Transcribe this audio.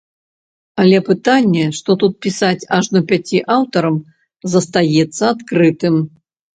Але пытанне, што тут пісаць ажно пяці аўтарам, застаецца адкрытым.